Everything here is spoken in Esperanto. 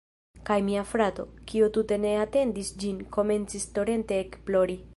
Kaj mia frato, kiu tute ne atendis ĝin, komencis torente ekplori.